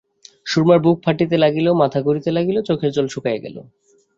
সুরমার বুক ফাটিতে লাগিল, মাথা ঘুরিতে লাগিল, চোখের জল শুকাইয়া গেল!